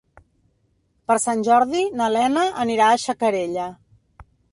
Per Sant Jordi na Lena anirà a Xacarella.